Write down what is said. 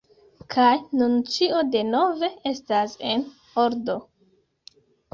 kaj nun ĉio denove estas en ordo: